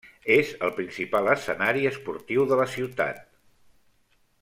És el principal escenari esportiu de la ciutat.